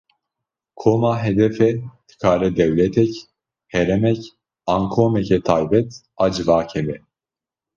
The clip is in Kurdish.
Koma hedefê dikare dewletek, herêmek an komeke taybet a civakê be.